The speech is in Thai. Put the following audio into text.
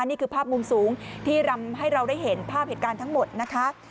นี่คือภาพมุมสูงที่ทำให้เราได้เห็นภาพเหตุการณ์ทั้งหมดนะคะ